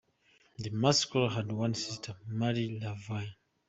Mascolo had one sister, Marie LaVoie.